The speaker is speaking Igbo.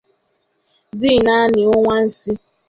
dị naanị ọnwa isii.